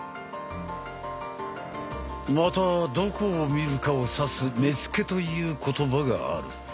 またどこを見るかを指す「目付」という言葉がある。